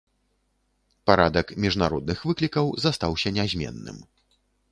Парадак міжнародных выклікаў застаўся нязменным.